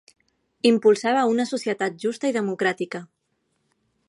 Impulsava una societat justa i democràtica.